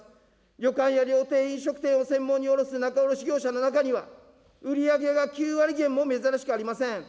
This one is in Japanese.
旅館や料亭、飲食店を専門に卸す仲卸業者の中には、売り上げが９割減も珍しくありません。